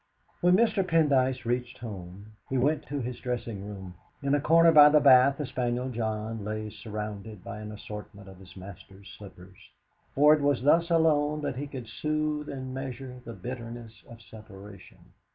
When Mr. Pendyce reached home he went to his dressing room. In a corner by the bath the spaniel John lay surrounded by an assortment of his master's slippers, for it was thus alone that he could soothe in measure the bitterness of separation.